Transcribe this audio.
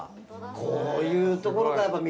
こういうところからやっぱ。